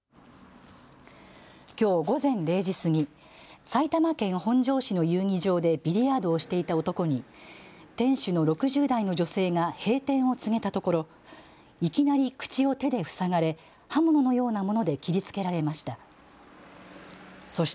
きょう午前０時過ぎ、埼玉県本庄市の遊技場でビリヤードをしていた男に店主の６０代の女性が閉店を告げたところいきなり口を手で塞がれ刃物のようなもので切りつけられました。